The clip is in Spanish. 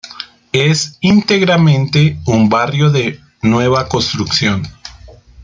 Es íntegramente un barrio de nueva construcción.